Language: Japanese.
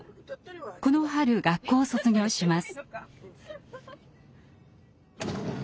この春学校を卒業します。